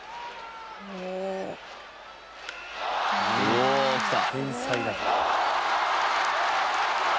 おおきた。